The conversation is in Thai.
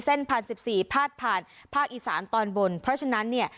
พันสิบสี่พาดผ่านภาคอีสานตอนบนเพราะฉะนั้นเนี่ย